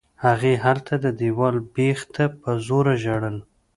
هغې هلته د دېوال بېخ ته په زوره ژړل.